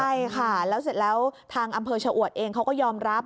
ใช่ค่ะแล้วเสร็จแล้วทางอำเภอชะอวดเองเขาก็ยอมรับ